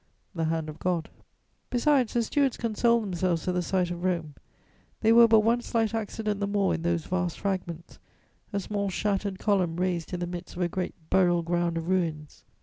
The hand of God. Besides, the Stuarts consoled themselves at the sight of Rome; they were but one slight accident the more in those vast fragments, a small shattered column raised in the midst of a great burial ground of ruins.